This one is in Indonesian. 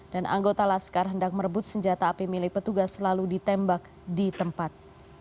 dan anggota laskar hendak merebut senjata api milik petugas lalu ditembak di tempat